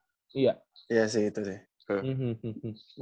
iya sih itu sih